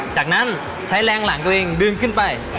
จากนั้นใช้แรงหลังตัวเองดึงขึ้นไป